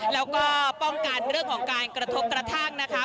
แล้วก็ป้องกันเรื่องของการกระทบกระทั่งนะคะ